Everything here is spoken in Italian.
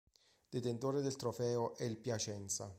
Detentore del trofeo è il Piacenza.